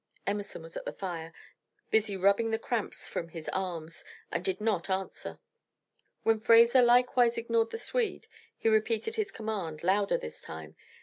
Emerson was at the fire, busy rubbing the cramps from his arms, and did not answer. When Fraser likewise ignored the Swede, he repeated his command, louder this time.